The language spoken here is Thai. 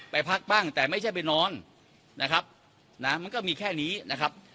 ไปพักบ้างแต่ไม่ใช่ไปนอนนะครับนะมันก็มีแค่นี้นะครับ